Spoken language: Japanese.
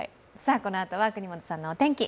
このあとは國本さんのお天気。